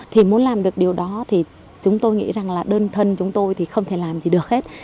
thì muốn làm được điều đó thì chúng tôi nghĩ rằng là đơn thân chúng tôi thì không thể làm gì được hết